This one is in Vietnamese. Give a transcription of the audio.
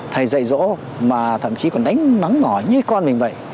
thầy dạy rỗ mà thậm chí còn đánh bắn ngỏ như con mình vậy